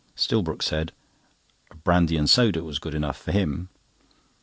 Stillbrook said: "A brandy and soda was good enough for him."